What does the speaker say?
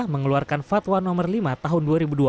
mengeluarkan fatwa nomor lima tahun dua ribu dua puluh